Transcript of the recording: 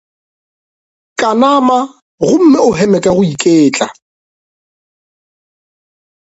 Kanama gomme o heme ka go iketla.